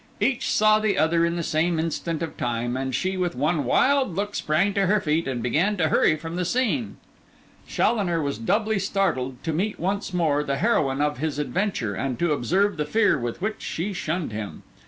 Each saw the other in the same instant of time; and she, with one wild look, sprang to her feet and began to hurry from the scene. Challoner was doubly startled to meet once more the heroine of his adventure, and to observe the fear with which she shunned him.